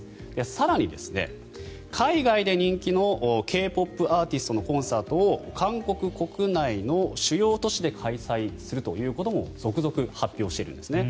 更に海外で人気のＫ−ＰＯＰアーティストのコンサートを韓国国内の主要都市で開催するということも続々、発表してるんですね。